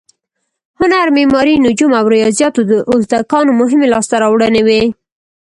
هنر، معماري، نجوم او ریاضیاتو د ازتکانو مهمې لاسته راوړنې وې.